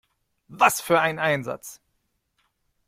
Was für ein Einsatz!